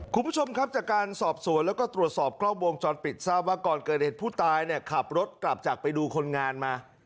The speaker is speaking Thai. คุณผู้ชมครับจากการสอบสวนแล้วก็ตรวจสอบกล้องวงจรปิดทราบว่าก่อนเกิดเหตุผู้ตายเนี่ยขับรถกลับจากไปดูคนงานมา